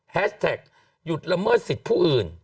แฮชแทคหยุดระเมิดสิทธิ์ผู้อื่น